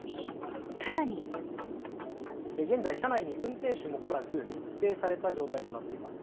更に現在車内に運転手もおらず密閉された状態となっております。